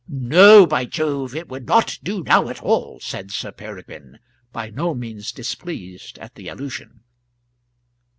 "No, by Jove! it would not do now at all," said Sir Peregrine, by no means displeased at the allusion.